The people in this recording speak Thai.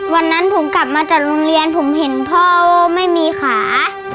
วันนั้นผมกลับมาจากโรงเรียนผมเห็นพ่อไม่มีขา